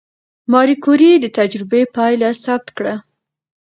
ماري کوري د تجربې پایله ثبت کړه.